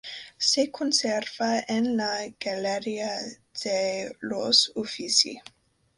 Se conserva en la Galería de los Uffizi.